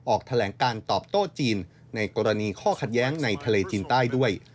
ออกแถลงการตอบโต้จีนในกรณีข้อขัดแย้งในทะเลจีนใต้ด้วย